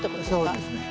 そうですね。